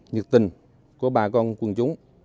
nhật tình của bà con quân chúng